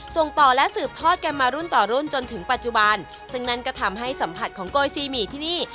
ส่งต่อและสืบทอดกันมารุ่นต่อรุ่นจนถึงปัจจุบันซึ่งนั่นก็ทำให้สัมผัสของโกยซีหมี่ที่นี่